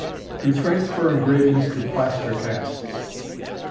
_To Transfer Engravings to Plaster Casts.